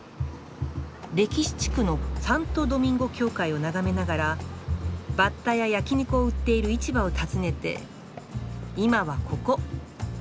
歴史地区のサントドミンゴ教会を眺めながらバッタや焼き肉を売っている市場を訪ねて今はここ。